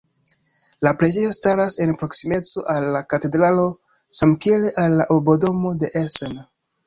La preĝejo staras en proksimeco al la katedralo samkiel al la urbodomo de Essen.